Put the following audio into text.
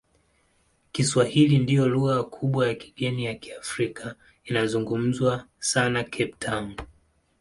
Kiswahili ndiyo lugha kubwa ya kigeni ya Kiafrika inayozungumzwa sana Cape Town.